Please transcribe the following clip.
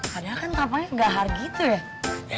padahal kan tamanya gak hard gitu ya